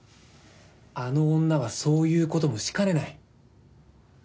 あの女はそういうこともしかねない。